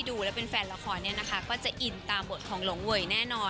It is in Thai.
ที่ดูและเป็นแฟนละครเนี่ยนะคะก็จะอินตามอดทนรงเวย์แน่นอน